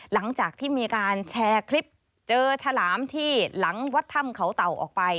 หลังจากที่มีการแชร์คลิปเจอฉลามที่หลังวัดถ้ำเขาเต่าออกไป